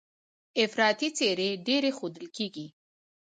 افراطي څېرې ډېرې ښودل کېږي.